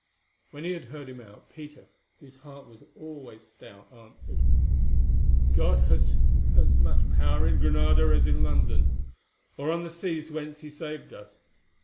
When he had heard him out, Peter, whose heart was always stout, answered: "God has as much power in Granada as in London, or on the seas whence He has saved us.